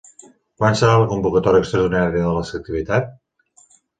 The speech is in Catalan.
Quan serà la convocatòria extraordinària de la selectivitat?